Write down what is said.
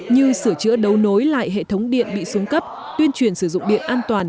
như sửa chữa đấu nối lại hệ thống điện bị xuống cấp tuyên truyền sử dụng điện an toàn